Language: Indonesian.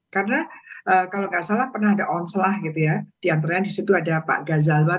karena kalau nggak salah pernah ada onslah gitu ya diantaranya di situ ada pak ghazal basaleh